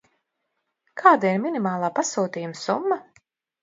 Kāda ir minimālā pasūtījuma summa?